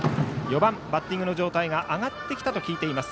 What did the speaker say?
４番、バッティングの状態が上がってきたと聞いています